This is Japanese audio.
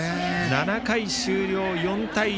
７回終了、４対１。